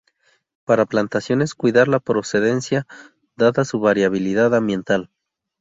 Para plantaciones cuidar la procedencia dada su variabilidad ambiental.